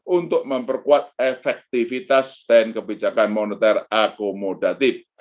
untuk memperkuat efektivitas stand kebijakan moneter akomodatif